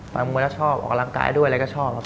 มามวยแล้วชอบออกกำลังกายด้วยแล้วก็ชอบ